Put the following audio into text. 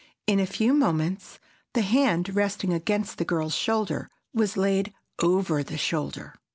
In a few moments the hand resting against the girl's shoulder was laid over the shoulder.